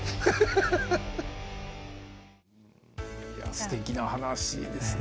すてきな話ですね。